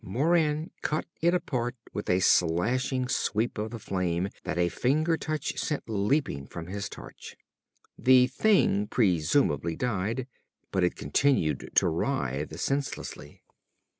Moran cut it apart with a slashing sweep of the flame that a finger touch sent leaping from his torch. The thing presumably died, but it continued to writhe senselessly.